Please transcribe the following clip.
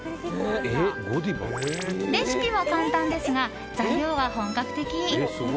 レシピは簡単ですが材料は本格的。